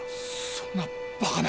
そんなバカな。